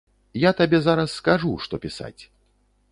Я табе зараз скажу, што пісаць.